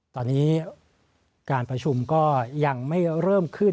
ตอนนี้การประชุมก็ยังไม่เริ่มขึ้น